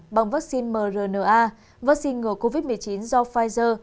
bằng vaccine mrna vaccine ngừa covid một mươi chín do pfizer